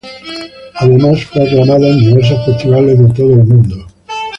Además, fue aclamada en diversos festivales de todo el mundo.